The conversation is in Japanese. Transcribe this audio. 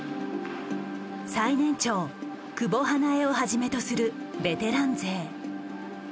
最年長久保英恵をはじめとするベテラン勢。